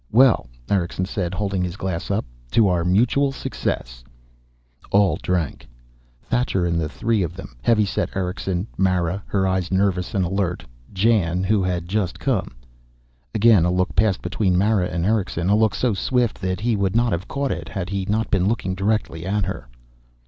"Well," Erickson said, holding his glass up. "To our mutual success." All drank, Thacher and the three of them, heavy set Erickson, Mara, her eyes nervous and alert, Jan, who had just come. Again a look passed between Mara and Erickson, a look so swift that he would not have caught it had he not been looking directly at her.